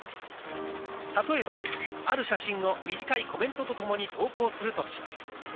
例えばある写真を短いコメントとともに投稿するとします。